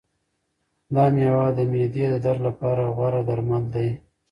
دا مېوه د معدې د درد لپاره غوره درمل دی.